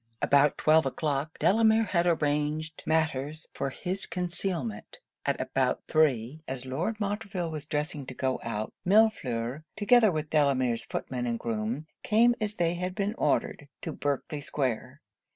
About twelve o'clock Delamere had arranged matters for his concealment; and about three, as Lord Montreville was dressing to go out, Millefleur, together with Delamere's footman and groom, came as they had been ordered to Berkley square.